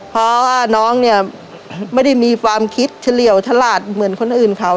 เพราะว่าน้องเนี่ยไม่ได้มีความคิดเฉลี่ยวฉลาดเหมือนคนอื่นเขา